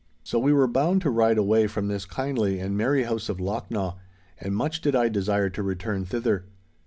So we were bound to ride away from this kindly and merry house of Lochnaw, and much did I desire to return thither.